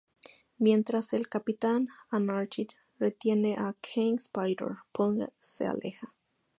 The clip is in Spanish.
Mientras el Capitán Anarchy retiene a Kang, Spider-Punk se aleja.